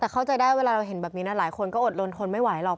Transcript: แต่เข้าใจได้เวลาเราเห็นแบบนี้นะหลายคนก็อดลนทนไม่ไหวหรอก